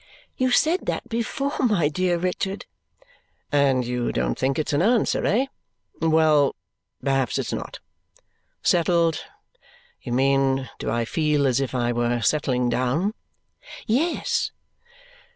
"You said that before, my dear Richard." "And you don't think it's an answer, eh? Well! Perhaps it's not. Settled? You mean, do I feel as if I were settling down?" "Yes."